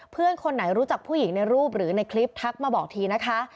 เพื่อนคนไหนรู้จักผู้หญิงในรูปหรือในคลิปทักมาบอกทีนะคะ